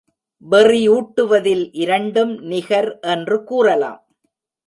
வெறி ஊட்டுவதில் இரண்டும் நிகர் என்று கூறலாம்.